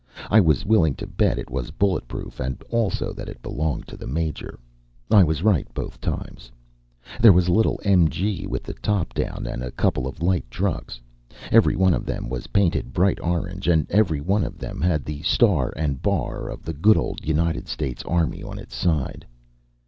I was willing to bet it was bulletproof and also that it belonged to the Major. I was right both times. There was a little MG with the top down, and a couple of light trucks. Every one of them was painted bright orange, and every one of them had the star and bar of the good old United States Army on its side.